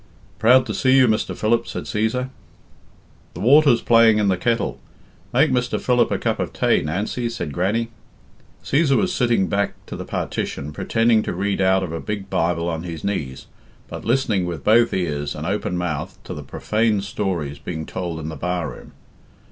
"Proud to see you, Mr. Philip," said Cæsar. "The water's playing in the kettle; make Mr. Philip a cup of tay, Nancy," said Grannie. Cæsar was sitting back to the partition, pretending to read out of a big Bible on his knees, but listening with both ears and open mouth to the profane stories being told in the bar room.